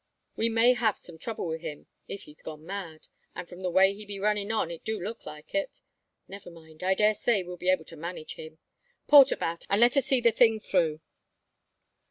We may have some trouble wi' him if be's gone mad; an' from the way he be runnin' on, it do look like it. Never mind! I dare say we'll be able to manage him. Port about, an' let a see the thing through."